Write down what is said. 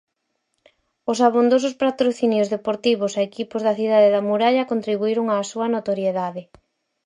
Os abondosos patrocinios deportivos a equipos da cidade da Muralla contribuíron á súa notoriedade.